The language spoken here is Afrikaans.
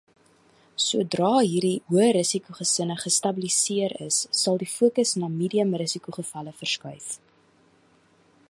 Sodra hierdie hoërisikogesinne gestabiliseer is, sal die fokus na mediumrisikogevalle verskuif.